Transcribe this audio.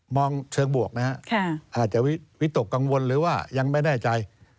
มองเชิงบวกอาจจะวิตกกังวลหรือว่ายังไม่แน่ใจ